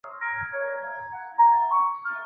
粗壮省藤为棕榈科省藤属下的一个变种。